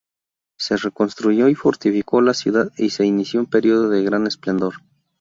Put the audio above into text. Se reconstruyó y fortificó la ciudad y se inició un periodo de gran esplendor.